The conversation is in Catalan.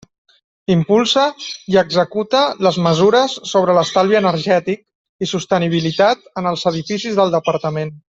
Impulsa i executa les mesures sobre l'estalvi energètic i sostenibilitat en els edificis del Departament.